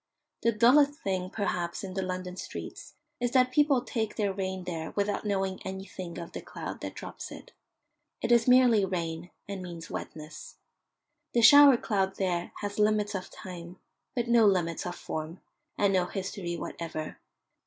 The dullest thing perhaps in the London streets is that people take their rain there without knowing anything of the cloud that drops it. It is merely rain, and means wetness. The shower cloud there has limits of time, but no limits of form, and no history whatever.